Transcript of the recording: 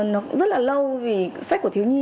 nó rất là lâu vì sách của thiếu nhi